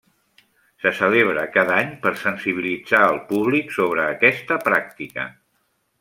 Se celebra cada any per sensibilitzar el públic sobre aquesta pràctica.